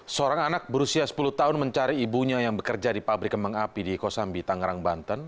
seorang anak berusia sepuluh tahun mencari ibunya yang bekerja di pabrik kembang api di kosambi tangerang banten